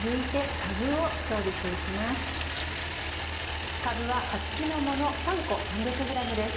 かぶは葉付きのもの３個３００ｇです。